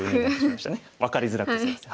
分かりづらくてすいません。